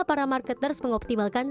para marketers mengoptimalkan